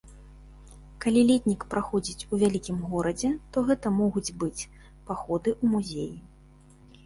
Калі летнік праходзіць у вялікім горадзе, то гэта могуць быць паходы ў музеі.